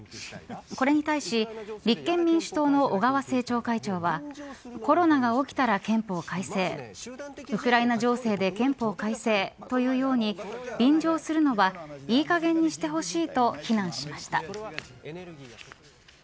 これに対し立憲民主党の小川政調会長はコロナが起きたら憲法改正ウクライナ情勢で憲法改正というように便乗するのはいいかげんにしてほしいと非難しました。